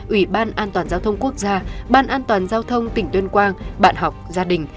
ủy ban an toàn giao thông quốc gia ban an toàn giao thông tỉnh tuyên quang bạn học gia đình